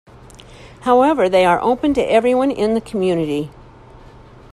However, they are open to everyone in the community.